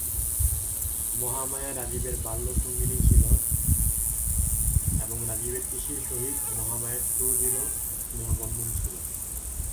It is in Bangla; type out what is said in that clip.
মহামায়া রাজীবের বাল্যসঙ্গিনী ছিল এবং রাজীবের পিসির সহিত মহামায়ার সুদৃঢ় স্নেহবন্ধন ছিল।